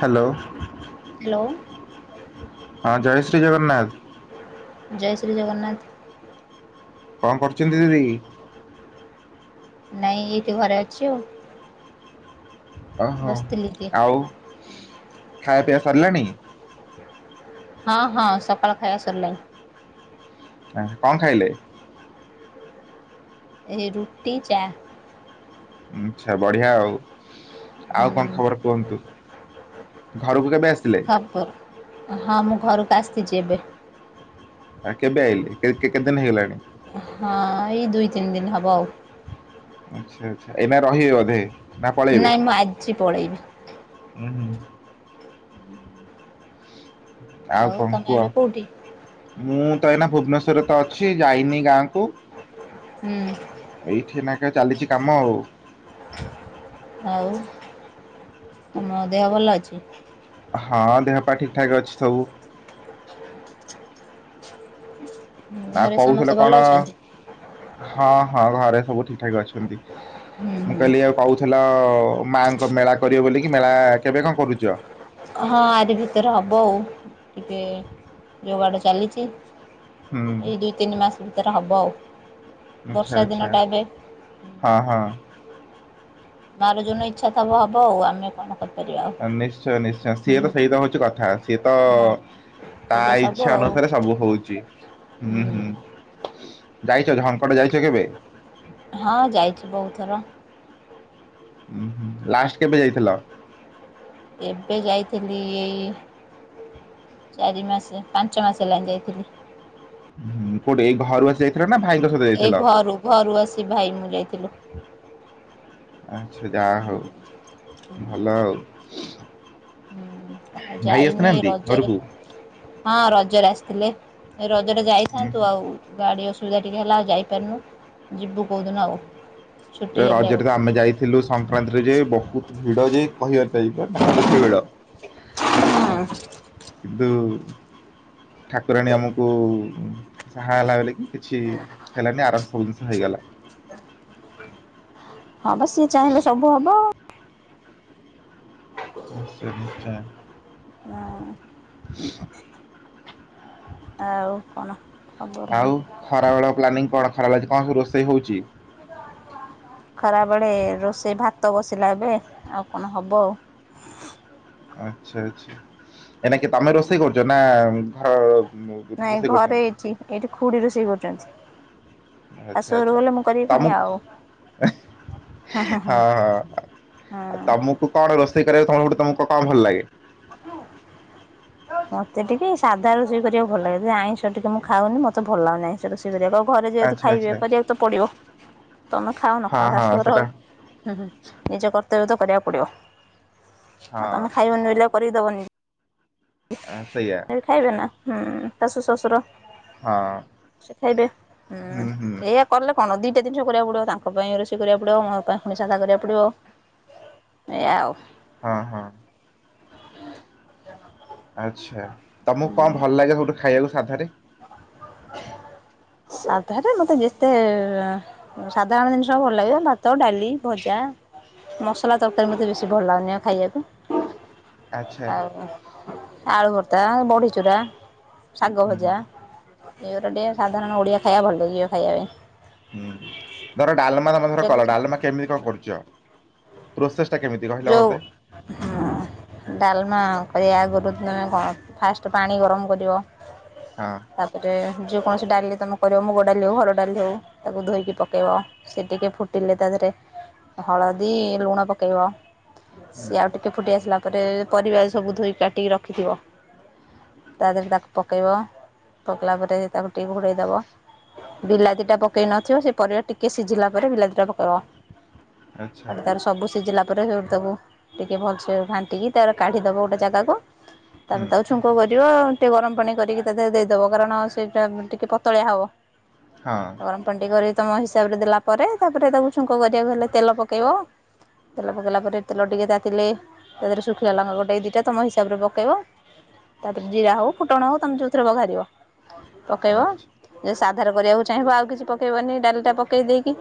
Hello. Hello. ହଁ ଜୟ ଶ୍ରୀ ଜଗନ୍ନାଥ। ଜୟ ଶ୍ରୀ ଜଗନ୍ନାଥ। କଣ କରୁଛନ୍ତି ଦିଦି। ନାଇଁ ଏଇଠି ଘରେ ଅଛି ଆଉ। ଓହୋ ବସିଥିଲି ଟିକେ। ଆଉ ଖାଇବା ପିଆ ସରିଲାଣି। ହଁ ହଁ ସକାଳୁ ଖାଇବା ସରିଲାଣି। କଣ ଖାଇଲେ? ଏ ରୁଟି ଚା। ଆଛା ବଢିଆ ଆଉ। ହୁଁ ଆଉ କଣ ଖବର କୁହନ୍ତୁ? ଘରକୁ କେବେ ଆସିଥିଲେ? ଖପର ହଁ ମୁଁ ଘରକୁ ଆସିଛି ଏବେ। ଆଉ କେବେ ଆଇିଲି କେତେ ଦିନ ହେଇଗଲାଣି? ହଁ ଏଇ ଦୁଇ ତିନି ଦିନ ହବ ଆଉ। ଆଚ୍ଛା। ଏଇନା ରହିବେ ବୋଧେ? ନାଇଁ ମୁଁ ଆଜି ପଳେଇବି। ଉଁ ହୁଁ। ଆଉ କଣ ତମେ କୁହ? ଏବେ କୋଉଠି? ମୁଁ ତ ଏଇନା ଭୁବନେଶ୍ଵରରେ ତ ଅଛି ଯାଇନି ଗାଁକୁ। ହୁଁ। ଏଇଠି ନାକ ଚାଲିଛି କାମ ଆଉ। ଆଉ? ତମ ଦେହ ଭଲ ଅଛି? ହଁ ଦେହ ପାା ଠିକ୍ ଠାକ ଅଛି ସବୁ। ନା ଘରେ ସମସ୍ତେ କହୁଥିଲେ ଭଲ କଣ? ଅଛନ୍ତି? ହଁ ହଁ ଘରେ ସବୁ ଠିକ ଠାକ ଅଛନ୍ତି ହୁଁ ମୁଁ ହୁଁ କହିଲି ଆଉ କଉ [unintelligible] ମାଆଙ୍କ ମେଳା କରିବେ ବୋଲିକି ମେଳା କେବେ କଣ କରୁଛ? ହଁ ଆରି ଭିତରେ ହବ ଆଉ ଟିକେ ଯୋଗାଡ଼ ଚାଲିଛି। ହୁଁ ଏଇ ଦୁଇ ତିନି ମାସ ଭିତରେ ହବ ଆଉ। ଆଚ୍ଛା ବର୍ଷା ଆଚ୍ଛା ଦିନଟା ଏବେ ହଁ ହଁ। ମା ର ଯୋଉଦିନ ଇଚ୍ଛା ଥବ ହବ ଆଉ ଆମେ କଣ କରିବୁ। ହଁ ନିଶ୍ଚୟ ନିଶ୍ଚୟ ସିଏ ତ ସେଇତ ହଉଛି କଥା ସିଏ ତ ହଁ ତା ସେଇଟା ସବୁ ଇଚ୍ଛା ଆଉ ହୁଁ। ଅନୁସାରେ ସବୁ ହଉଛି ହୁଁ ହୁଁ। ଯାଇଛ ଝଙ୍କଡ଼ ଯାଇଛ କେବେ? ହଁ ଯାଇଛି ବୋହୁତ୍ ଥର। ଉ ହୁଁ ଲାଷ୍ଟ କେବେ ଯାଇଥିଲ? ଏବେ ଯାଇଥିଲି ଏଇ ଚାରି ମାସ ପାଞ୍ଚ ମାସ ହେଲାଣି ଯାଇଥିଲି। ହୁଁ କୋଉଠି ଏ ଘରୁ ଆସି ନା ଭାଇଙ୍କ ସ ଏଇ ଘରୁ ଘରୁ ଆସି ଭାଇ ମୁଁ ଯାଇଥିଲୁ। ଆଚ୍ଛା ଯାହା ହଉ। ଭଲ ଆଉ। ହୁଁ ଆଉ ଭାଇ ଯାଇନି ଆସିନାହାନ୍ତି ରଜରେ ଘରକୁ? ହଁ ରଜରେ ଆସିଥିଲେ ଏ ରଜରେ ହୁଁ ଯାଇଥାନ୍ତୁ ହୁଁ ଆଉ। ଗାଡ଼ି ଅସୁବିଧା ଟିକିଏ ହେଲା ଆଉ ଯାଇପାରୁନୁ ଯିବୁ କୋଉଦିନ ଆଉ। ଛୁଟି ହେଲେ ଆଉ। ରଜରେ ତ ଆମେ ଯାଇଥିଲୁ ସଂକ୍ରାନ୍ତିରେ ଯେ ବୋହୁତ୍ ଭିଡ ଯେ କହିବାର ନାହିଁ ନାହିଁ ନଥିବା ଭିଡ। ହଁ କିନ୍ତୁ ଠାକୁରାଣୀ ଆମକୁ ସାହା ହେଲା ବୋଲି କି କିଛି ହେଲାନି ଆରାମ ସେ ସବୁ ଜିନିଷ ହେଇଗଲା। ହଁ ବା ସିଏ ଚାହିଁଲେ ସବୁ ହବ ଆଉ। ନିଶ୍ଚୟ ହଁ ନିଶ୍ଚୟ। ଆଉ କଣ ଖବର? ଆଉ ଖରାବେଳ ପ୍ଲାନିଂ କଣ ଖରାବେେଳ ଆଜି କଣ ସବୁ ରୋଷେଇ ହଉଛି? ଖରାବେଳେ ରୋଷେଇ ଭାତ ବସିଲା ଏବେ ଆଉ କଣ ହେବ ଆଉ। ଆଚ୍ଛା ଆଚ୍ଛା ଏନାକିଏ ତମେ ରୋଷେଇ କରୁଛ? ନା ଘର ଉଁ ହୁଁ ନାଇଁ ରୋଷେଇ ଘରେ କରୁଛନ୍ତି। ଏଇଠି ଏଇଠି ଖୁଡି ରୋଷେଇ କରୁଛନ୍ତି। ଆଚ୍ଛା ଶାଶୁ ଘରକୁ ଆଚ୍ଛା ଗଲେ ମୁଁ କରିବି ପୁଣି ଆଉ। ତମୁକୁ ହଁ ହଁ ହଁ ହଁ ଆଉ ହଁ ତମକୁ କଣ ରୋଷେଇ କରିବାକୁ ତମକୁ ଗୋଟେ ତମକୁ କଣ ଟେ ଭଲ ଲାଗେ? ମତେ ଟିକେ ସାଧା ରୋଷେଇ କରିବାକୁ ଭଲ ଲାଗେ। ସେ ଆଇଁଷ ଟିକେ ମୁଁ ଖାଉନି ମତେ ଭଲ ଲାଗୁନାହିଁ। ଶ ରୋଷେଇ କରିବାକୁ ଆଉ ଘରେ ଯେହେତୁ ଆଚ୍ଛା ଖାଇବେ ଆଚ୍ଛା କରିବାକୁ ତ ପଡିବ ତମେ ଖାଓ ନ ହଁ ଖାଅ ହଁ ଶାଶୁଘର ସେଟା ଆଉ। ହୁଁ ହୁଁ ନିଜ କର୍ତ୍ତବ୍ୟ ତ କରିବାକୁ ପଡିବ ହଁ ଆଉ ତମେ ଖାଇବନି ବୋଲି ଆଉ କରିକି ଦବନି। ହଁ ସେଇୟା। ସେ ଖାଇବେନା ହୁଁ ଶାଶୁ ଶ୍ୱଶୁର। ହଁ ସେ ଖାଇବେ ହୁଁ ଏଇଆ କଲେ କଣ ଦିଟା ଜିନଷ କରିବାକୁ ପଡ଼ିବ ତାଙ୍କ ପାଇଁ ରୋଷେଇ କରିବାକୁ ପଡ଼ିବ ମୋ ପାଇଁ ପୁଣି ସାଧା କରିବାକୁ ପଡ଼ିବ। ଏଇୟା ଆଉ। ହଁ ହଁ। [inaudible] ଆଚ୍ଛା ତମକୁ କଣ ଭଲ ଲାଗେ ହବୁଠୁ ଖାଇବାକୁ ସାଧାରେ? ସାଧାରେ ମତେ ଯେତେ ସାଧାରଣ ଜିନିଷ ଭଲ ଲାଗିବ ଭାତ ଡାଲି ଭଜା। ମସଲା ତରକାରୀ ମତେ ବେଶୀ ଭଲ ଲାଗୁନି ଆଉ ଖାଇବାକୁ। ଆଚ୍ଛା ଆଉ ଆଳୁ ଭର୍ତ୍ତା ବଢି ଚୁରା ଶାଗ ହୁଁ ଭଜା। ଏଇଗୁରା ଟିକେ ସାଧାରଣ ଓଡ଼ିଆ ଖାଇବା ଭଲ ଲାଗିବ ଖାଇବା ପାଇଁ। ହୁଁ ଧର ଡାଲମା ତମେ ଧର କଲ ଡାଲମା କେମିତି କଣ କରୁଚ? ପ୍ରୋସେସ ଟା କେମିତି କହିଲ ମତେ? [inaudible] ଡାଲମା କରିବା ଆଗୁରୁ ତମେ କଣ ଫାଷ୍ଟ ପାଣି ଗରମ କରିବ। ହଁ। ତାପରେ ଯେ କୌଣସି ଡାଲିରେ ତମେ କରିବ ମୁଗ ଡାଲି ହୋଉ ହରଡ ଡାଲି ହୋଉ ତାକୁ ଧୋଇକି ପକେଇବ। ସେ ଟିକେ ଫୁଟିଲେ ତା ଦେହରେ ହଳଦୀ ଲୁଣ ପକେଇବ। ହୁଁ ସିଏ ଆଉ ଟିକେ ଫୁଟି ଆସିଲା ପରେ ପରିବା ସବୁ ଧୋଇକି କାଟିକି ରଖିଥିବ। ତା ଦେହରେ ତାକୁ ପକେଇବ ପକେଇଲା ପରେ ତାକୁ ଟିକେ ଘୋଡ଼ାଇଦବ। ବିଲାତି ଟା ପକେଇ ନଥିବ ସେ ପରିବା ଟିକେ ସିଝିଲା ପରେ ବିଲାତି ଟା ପକେଇବ। ଆଚ୍ଛା ଆଉ ତାର ସବୁ ସିଝିଲା ପରେ ସେଇଠୁ ତାକୁ ଟିକେ ଭଲସେ ଘାଣ୍ଟିକି ତାର କାଢିଦେବ ଗୋଟେ ଜାଗାକୁ ତା ହୁଁ ପରେ ତାକୁ ଛୁଙ୍କ କରିବ ଟିକେ ଗରମ ପାଣି କରିକି ତା ଦେହରେ ଦେଇଦବ କାରଣ ସେଇଟା ଟିକେ ପତଳିଆ ହବ। ହଁ। ଗରମ ପାଣି ଟିକେ କରି ତମ ହିସାବରେ ଦେଲା ପରେ ତାପରେ ତାକୁ ଛୁଙ୍କ କରିବାକୁ ହେଲେ ତେଲ ପକେଇବ। ତେଲ ପକେଇଲା ପରେ ତେଲ ଟିକେ ତାତିଲେ ତା ଦେହରେ ଶୁଖିଲା ଲାଙ୍କା ଗୋଟେ ଦୁଇଟା ତୁମ ହିସାବରେ ପକେଇବ। ତାଧିରେ ଜିରା ହୋଉ ଫୁଟଣ ହୋଉ ତମେ ଯୋଉଥିରେ ପଘାରିବ ପକେଇବ। ଆଚ୍ଛା ଯଦି ସାଧାରେ କରିବାକୁ ଚାହିଁବ ଆଉ କିଛି ପକେଇବନି ଡାଲି ଟା ପକେଇ ଦେଇକି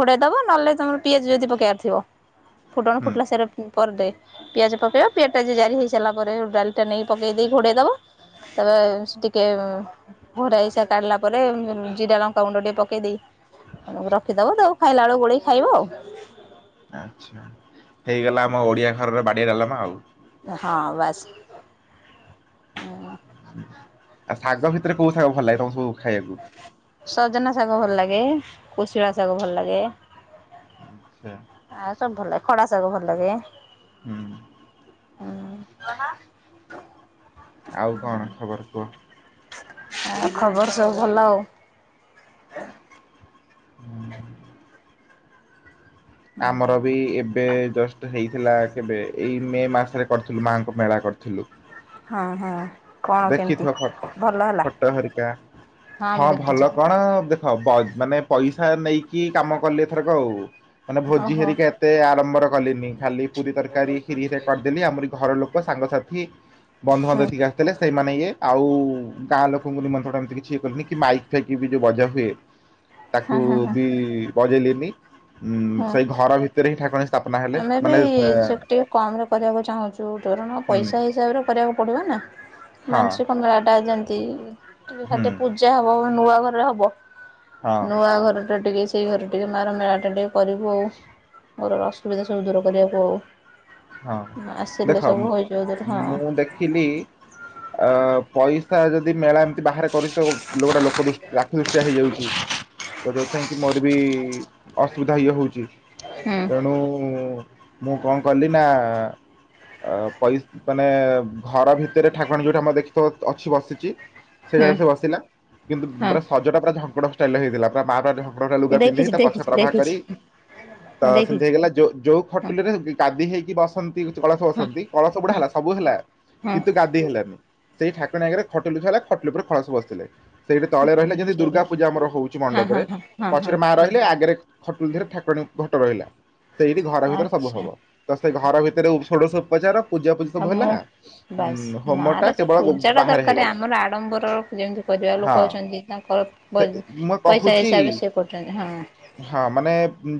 ଘୋଡେଇ ଦବ ନହେଲେ ନାହିଁ ତମର ପିଆଜ ଯଦି ପକେଇବାର ଥିବ ଫୁଟଣ ହୁଁ ଫୁଟିଲା ସେରା ପର ଡେ ପିଆଜ ପକେଇବ ପିଆ ପିଆଜ ଜାରି ହେଇସାରିଲା ପରେ ଡାଲି ଟା ନେଇ ପକେଇ ଦେଇ ଘୋଡେଇ ଦବ। ତାପରେ ଟିକେ ଘୋରା ଇସା କାଢିଲା ପରେ ଜିରା ଲଙ୍କା ଗୁଣ୍ଡ ଟିକେ ପକେଇ ଦେଇ ରଖିଦବ ତାକୁ ଖାଇଲା ବେଳକୁ ଗୋଳେଇ ଖାଇବ ଆଉ। ଆଚ୍ଛା ହେଇଗଲା ଆମ ଓଡିଆ ଘରର ବାଡିଆ ଡାଲମା ଆଉ। ହଁ ବାସ ଆଉ ଶାଗ ଭିତରେ କୋଉ ଶାଗ ଭଲ ଲାଗେ ତମକୁ ସବୁ ଖାଇବାକୁ? ସଜନା ଶାଗ ଭଲ ଲାଗେ କୁଶିଳା ଶାଗ ଭଲ ଲାଗେ। ଆଛା ଆଉ ସବୁ ଭଲ ଲାଗେ ଖଡା ସାଗ ଭଲ ଲାଗେ। ହୁଁ କଣ? ଆଉ କଣ ଖବର କୁହ? ଆ ଖବର ସବୁ ଭଲ ଆଉ। ହୁଁ। ଆମର ବି ଏବେ ଜଷ୍ଟ ହେଇଥିଲା କେବେ ଏଇ ମେ ମାସରେ କରିଥିଲୁ ମାଙ୍କ ମେଳା କରିଥିଲୁ। ହଁ ହଁ କଣ [inaudible] କେମିତି ଦେଖିଥିବ ଫ ଭଲ ହେଲା? ଫଟୋ ହେରିକା ମୁଁ ହଁ ଦେଖିଛି। ଭଲ। କଣ ଦେଖ ବ ମାନେ ପଇସା ନେଇକି କାମ କଲେଏଥରକ ଆଉ। ମାନେ ଭୋଜି ଓହୋ ହେରିକି ଏତେ ଆରମ୍ବର କଲିନି ଖାଲି ପୁରୀ ତରକାରୀ କ୍ଷୀରିରେ କରିଦେଲି ଆମରି ଘର ଲୋକ ଙ୍କ ସାଙ୍ଗସାଥି ହୁଁ ବନ୍ଧୁବାନ୍ଧବତିକି ଆସିଥିଲେ ସେଇମାନେ ଇଏ ଆଉ ଗାଁ ଲୋକଙ୍କୁ ନିମନ୍ତ୍ରଣ ଏମିତି କିଛି ଇଏ କନି କି ମାଇକ୍ ଫାଇକି ବି ଯେଉଁ ବଜା ହୁଏ। ତାକୁ ହୁଁ ହୁଁ ହୁଁ ବି ବଜେଇଲିନି ଉଁ ହୁଁ। ସେଇ ଘର ଭିତରେ ହିଁ ଠାକୁଣ ସ୍ଥାପନା ହେ ଆମେ ବି ସେ ଟିକେ କମ ରେ କରିବାକୁ ଚାହୁଁଛୁ ଧରଣ ହୁଁ। ପଇସା ହିସାବରେ କରିବାକୁ ପଡିବ ନା। ହଁ ମାଂସ କମଳାଟାନ୍ତି ଟିକେ ହୁଁ ଖାଲି ପୂ ଯା ହବ ନୂଆ ଘର ହବ ହଁ ନୂଆ ଘର ଟା ଟିକେ ସେହି ଘରେ ଟିକେ ମାର ମେଳାଟା ଟିକେ କରିବୁ ଆଉ ମୋର ଅସୁବିଧା ସବୁ ଦୂର କରିବାକୁ ହଁ ଆଉ। ମା ଆସିଲେ ସବୁ ହେଇଯିବଦୁରେ ହଁ। ଥିଲି ଅ ପଇସା ଯଦି ମେଳା ବାହାରେ କରିଛି ତ ଗୋଟେ ଲୋକ ଦ ଆକ୍ଷ ଦୃଷ୍ଟିଆ ହେଇଯାଉଛି। ତ ଯେଉଁଥିପାଇଁ କି ମୋର ବି ଅସୁବିଧା ଇଏ ହଉଛି ହୁଁ ତେଣୁ ମୁଁ କଣ କଲି ନା ଅ ପଇ ମାନେ ଘର ଭିତରେ ଠାକୁରାଣୀ ଅଛି ଯୋଉଠି ଆମର ଦେଖିଥ ଅଛି ବସିଛି। ସେଇ ହୁଁ। ଜାଗାରେ ସେ ବସିଲା କିନ୍ତୁ ହଁ ପୁରା ସଜଟା ପୁରା ଝଙ୍କଡଷ୍ଟାଇଲ ହେଇଥିଲା ପୁରା ମା ଆଟା ମୁଁ ଲୁଗା ଦେଖିଛି ପିନ୍ଧିକି ତା ପଛ ଦେଖିଛି ପ୍ରଭହ ଦେଖିଛି କରି ତ ମୁଁ ସେମିତି ଦେଖିଛି ହେଇଗଲାଯ ଯୋଉ ହଁ ଖଟୁଲି ରେ ଗାଦି ହେଇକି କସନ୍ତି କିଛି କଳସ ହଁ। ବସନ୍ତି କଳସ ବୁଡା ହଁ ହେଲା ସବୁ ହେଲା ହଁ କିନ୍ତୁ ଗା ଦି ହେଲାନି ସେଇ ଠାକୁରାଣୀ ଆଗରେ ଖଟଲୁ ହେଲା ଖଟଲ ଉପରେ ଖଳସ ବସିଥିଲେ ସେଇଠି ତଳେ ରହିଲେ ଯେମିତି ସେଇ ଦୁର୍ଗା ପୂଜା ଆମର ହଉଛି ହଁ ହଁ ମଣ୍ଡପରେ ହଁ ହଁ ହଁ ପଛରେ ମା ରହିଲେ ଆଗରେ ଖଟୁଲି ଧୀରେ ଠାକୁରାଣୀ ଘଟ ରହିଲା ସେଇଠି ଘର ଭିତରେ ସବୁ ଆଚ୍ଛା ହବ ତ ସେ ଘର ଭିତରେ ଷୋଡଶ ଉପଚାର ପୂଜା ପୂଜି ଆଉ ସବୁ ହେଲା ମୁଁ ବାସ୍ ଉଁ ମା ହୋମ ର ଟା ସେ କେବଳ ପୂଜାଟା ବାହାରେ ଦରକାର ହେଇଗଲା ଆମର ଆଡ଼ମ୍ବର ଯେମିତି କରିବା ଲୋକ ହଁ ଅଛନ୍ତି ତାଙ୍କର ସେ ବ ମୁଁ ପଇସା କହୁଛି ହିସାବରେ ସେ କରୁଛନ୍ତି ହଁ ହଁ ମାନେ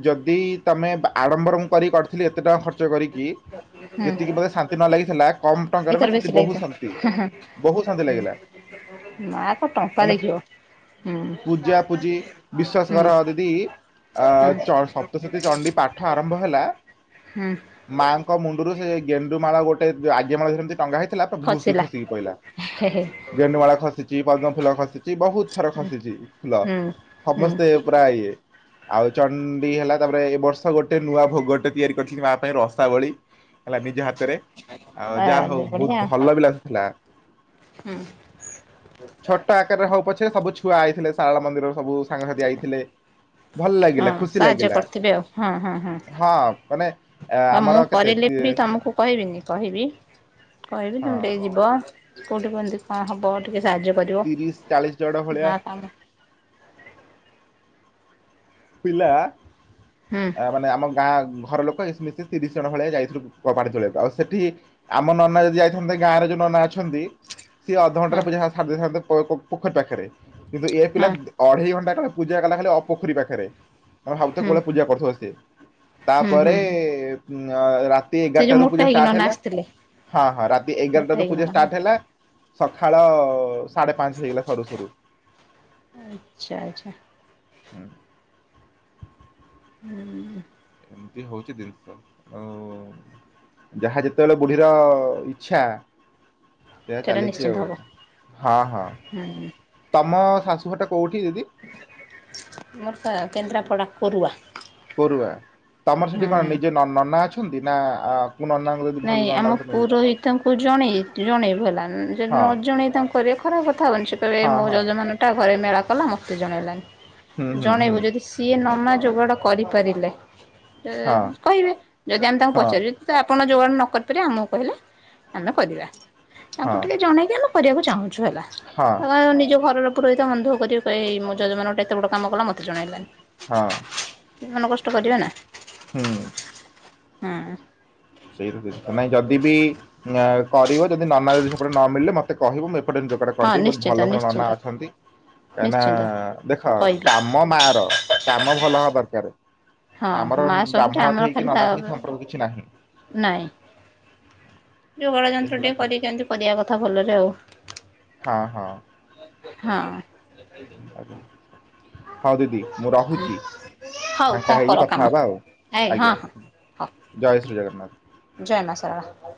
ଯଦି ତମେ ଆଡ଼ମ୍ବର କରି କରିଥିଲି ଏତେ ଟଙ୍କ ଖର୍ଚ୍ଚ କରିକି ହୁଁ ଯେତିକି ମୋତେ ଶାନ୍ତି ନ ଲାଗିଥିଲା କମ ଟଙ୍କାରେ ନା ଏଥର ବେଶୀ ସେଠି ବହୁ ଲାଗିଥିବ ଶାନ୍ତି ହଁ ବହୁତ ଶାନ୍ତି ଲାଗିଲା ମା କଁ ଟଙ୍କା ମାନେ ଦେଖିବ ହୁଁ ପୂଜା ପୂଜି ବିଶ୍ଵାସ ହୁଁ କର ଦିଦି ଅ ହୁଁ ଚ ସପ୍ତଶତୀ ଚଣ୍ଡୀ ପାଠ ଆରମ୍ଭ ହେଲା ହୁଁ ମାଆଙ୍କ ମୁଣ୍ଡରୁ ସେ ଗେଣ୍ଡୁମାଳ ଗୋଟେ ଆଜ୍ଞା ମାଳରେ ଜେମତି ଟଙ୍ଗା ହେଇ ଥିଲା ତ ଖୁସି ଖସିକି ପଇଲା। ଖ [inaudible] ଗେଣ୍ଡୁମାଳା ଖସିଛି ପଦ୍ମ ଫୁଲ ଖସିଛି ବହୁତ ଥର ଖସିଛି ଫୁଲ। ହୁଁ ହୁଁ ସମସ୍ତେ ପୁରା ଇଏ। ଆଉ ଚଣ୍ଣ୍ଡୀ ହେଲା ତାପରେ ଏ ବର୍ଷ ଗୋଟେ ନୂଆ ଭୋଗଟେ ତିଆରି କରିଥଲି ମା ପାଇଁ ରସାବଳି। ହେଲା ନିଜ ହାତରେ ଆଉ ଆ ଯାହା ହଉ ବଢିଆ ବହୁତ ଭଲ ବି ଲାଗୁଥିଲା। ହୁଁ ଛୋଟ ଆକାରରେ ହଉ ପଛେ ସବୁ ଛୁଆ ଆଇଥିଲେ ଶାରଳା ମନ୍ଦିର ସବୁ ସାଙ୍ଗସାଥି ଆଇଥିଲେ। ଭଲ ହଁ ଲାଗିଲା ଖୁସି ସାହାଯ୍ୟ ଲାଗିଲା କରିଥିବେ ଆଉ ହଁ ହଁ ହଁ ମାନେ ଆ, ହଁ ମୁଁ ଆମର କେତେ କରିଲି ଫ୍ରି ତି- ତମକୁ। କହିବିନି କହିବି କହିବି ହଁ ତୁମେ ଟିକେ ଯିବ କଉଠି କୁହନ୍ତି। ହଁ ହଁ ବହୂ ଟିକେ ସାହାଯ୍ୟ କରିବ ତିରିଶ ଚାଳିଶ ଜଣ ଭଳିଆ ନା କାମ ପିଲା ହୁଁ। ଆ ମାନେ ଆମ ଗାଁ ଘର ଲୋକ ଏସ ବୁ ମିଶି ତିରିଶ ଜଣ ଭଳିଆ ଯାଇଈଥିଲୁ ଟମାଟୋ ତୋଳିବାକୁ ଆଉ ସେଠି ଆମ ନନା ଯଦି ଯାଇଥାନ୍ତେ ଗାଁରେ ଯୋଉ ନନା ଅଛ ଅଛନ୍ତି ସିଏ ଅଧଘଣ୍ଟାରେ ହଁ ପୁରା ଦେଇଥାନ୍ତେ ପୋଖରୀ ପାଖରେ କିନ୍ତୁ ଏ ପିଲା ହଁ ଅଢେଇ ଘଣ୍ଟା କାଳ ପୂଜା କଲା ଖାଲି ଅ ପୋଖରୀ ପାଖେରେ। ହ ହପ୍ତେ ହୁଁ [inaudible] ପୂଜା କରୁଥିବ ସେ ହୁଁ ତାପରେ ହୁଁ ହୁଁ ଉଏମ ରା ରାତି ସେ ଯୋଉ ଏଗାରଟାରୁ ମୋଟା ପୂଜା ହେଇକି ଷ୍ଟାର୍ଟ ନନା ହେଲା ଆସିଥିଲେ ହଁ ହଁ ରାତି ମୋଟା ଏଗାରଟାରୁ ହେଇକି ପୂଜା ନନା ହଁ ଷ୍ଟାର୍ଟ ହେଲା ସଖାଳ ସାଢ଼େ ପାଞ୍ଚ ହେଇଗଲା ସରୁ ସରୁ। ଆଚ୍ଛା ଆଚ୍ଛା। ହଁ ହୁଁ ଏମିତି ହଉଛି ଦିନ ସ ଯାହା ଯେତେବେଳେ ବୁଢୀର ଇଚ୍ଛା ସେଇଆ ସେଇଟା ଚାଲିଚି ନିଶ୍ଚିନ୍ତ ଆଉ ହବ ହଁ ହଁ ହୁଁ ତମ ଶାଶୁଘରଟା କୋଉଠି ଦିଦି? ମୋର ସା କେନ୍ଦ୍ରାପଡ଼ା କୁରୁଆ। କୋରୁଆ ତମର ସେଠି କଣ ନିଜେ ନ ନନା ଅଛନ୍ତି ନା କୋଉ ନନାଙ୍କୁ ଯଦି ଭଲ ନାଇଁ ନନା ଆମ ମିଳିବ ପୁରୋହିତଙ୍କୁ ଜଣେଇ ଜଣେଇବୁ ହେଲା ଯଦି ହଁ ନ ଜଣେଇ ତାଙ୍କୁ ପରେ ଖରାପ କଥା ହବନି ସେ କହିବେ ହଁ ମୋ ହଁ ଜଜମାନଟା ଘରେ ମେଳା କଲା ମୋତେ ହୁଁ ଜଣେଇଲାନି। ହୁଁ ହୁଁ ଜଣେଇବୁ ଯଦି ସିଏ ନମା ଯୋଗାଡ଼ କରିପାରିଲେ ତ ହଁ କହିବେ ଯଦି ଆମେ ତାଙ୍କୁ ହଁ ପଚାରୁ ତ ଆପଣ ଯୋଗାଣ ନ କରିପାରି ଆମକୁ କହିଲେ ଆମେ କରିବା ତାଙ୍କୁ ହଁ ଟିକେ ଜଣେଇ ଦେଲୁ କରିବାକୁ ଚାହୁଁଛୁ ହେଲା ହଁ ତା ନିଜ ଘରର ପୁରୋହିତ ମନ ଦୁଃଖ କରିବେ କହିବେ ମୋ ଜଜମାନ ଗୋଟେ ଏତେ ବଡ କାମ କଲା ମୋତେ ଜଣେଇଲାନି। ହଁ କି ମନ କଷ୍ଟ କରିବା ନାହିଁ ହୁଁ ହଁ। ସେଇ ଜିନିଷ ନାଇଁ ଯଦି ବିି ୟା କରିବ ଯଦି ନାନା ଜଦି ସେପଟେ ନ ମିଳିଲେ ମତେ କହିବ ମୁଁ ଏପଟେ ଯ ଏପଟେ ହଁ କରିଦେଇ ବହୁତ ନିଶ୍ଚିନ୍ତ ଭଲ ଭଲ ନନା ନିଶ୍ଚିନ୍ତ ଅଛନ୍ତି କାହିଁ ନା ନିଶ୍ଚିନ୍ତ ଦେଖ କହିବି କାମ ମୋ ମା ର କାମ ଭଲ ହବା ଦରକାର ହଁ ଆମର ମା ସବୁଠି ବ୍ରାହ୍ମଣ ଆମର ଠିକ ଖାଲି ତା ନନା ଠିକି ସମ୍ପର୍କ ବି ଠିକ। କିଛି ନାହିଁ। ନାଇଁ। ଯୋଗାଡ଼ ଏଇ ଯନ୍ତ୍ର ହେଲା ଟିକେ ତ। କରି କେନ୍ତି କରିବା କଥା ଭଲରେ ଆଉ। ହଁ ହଁ ହଁ ଆଜ୍ଞା ହଉ ଦିଦି ମୁଁ ରହୁଛି ହଉ କଣ ଫାଙ୍କା ହେଇକି କର କାମ କଥା ହବା ଆଉ ଏଇ ହଁ ଆଜ୍ଞା ହଁ ହଉ ଜୟ ଶ୍ରୀ ଜଗନ୍ନାଥ ଜୟ ମା ଶାରଳା